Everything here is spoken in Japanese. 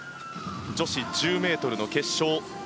女子１０ｍの決勝。